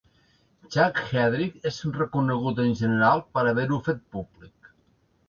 Chad Hedrick és reconegut en general per haver-ho fet públic.